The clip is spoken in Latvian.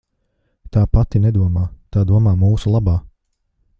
Tā pati nedomā, tā domā mūsu labā.